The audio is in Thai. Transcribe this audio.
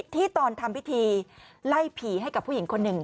ที่ตอนทำพิธีไล่ผีให้กับผู้หญิงคนหนึ่ง